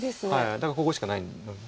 だからここしかないので。